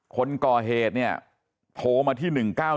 คนก่อเหตุเนี่ยโทรมาที่๑๙๑